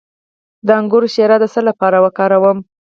د انګور شیره د څه لپاره وکاروم؟